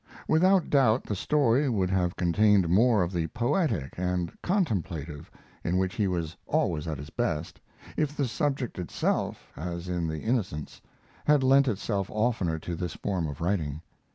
Without doubt the story would have contained more of the poetic and contemplative, in which he was always at his best, if the subject itself, as in the Innocents, had lent itself oftener to this form of writing.